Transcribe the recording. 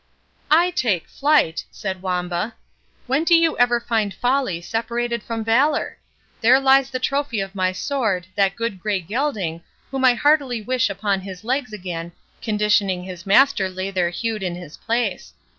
"I take flight!" said Wamba; "when do you ever find Folly separated from Valour? There lies the trophy of my sword, that good grey gelding, whom I heartily wish upon his legs again, conditioning his master lay there houghed in his place.